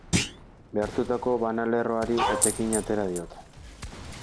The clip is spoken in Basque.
Behartutako banalerroari etekina atera diote.